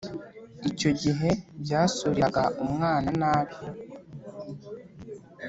icyo gihe byasuriraga umwana nabi,